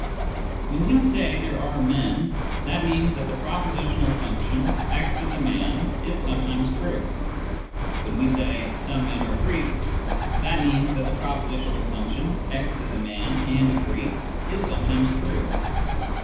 When we say " there are men," that means that the pro positional function " x is a man " is sometimes true. When we say " some men are Greeks," that means that the propositional function " x is a man and a Greek " is sometimes true.